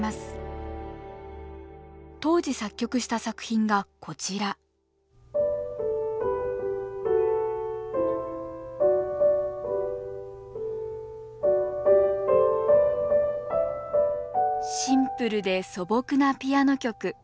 当時作曲した作品がこちらシンプルで素朴なピアノ曲。